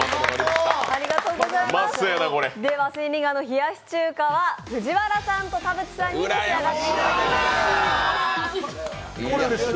千里眼の冷やし中華は藤原さんと田渕さんに召し上がっていただきます。